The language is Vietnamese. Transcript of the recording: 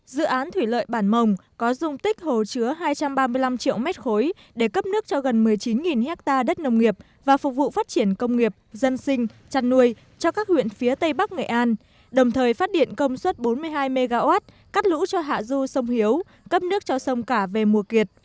dự án thủy lợi bản mồng có dung tích hồ chứa hai trăm ba mươi năm triệu m ba để cấp nước cho gần một mươi chín ha đất nông nghiệp và phục vụ phát triển công nghiệp dân sinh chăn nuôi cho các huyện phía tây bắc nghệ an đồng thời phát điện công suất bốn mươi hai mw cắt lũ cho hạ du sông hiếu cấp nước cho sông cả về mùa kiệt